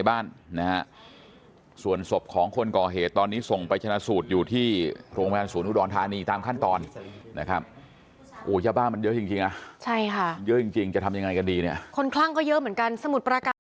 อาวุธที่ใช้ก่อเหตุเป็นมีดพลาด